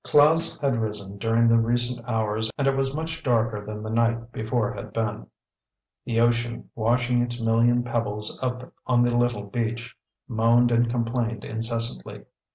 Clouds had risen during the recent hours, and it was much darker than the night before had been. The ocean, washing its million pebbles up on the little beach, moaned and complained incessantly.